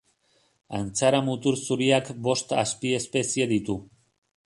Antzara muturzuriak bost azpiespezie ditu.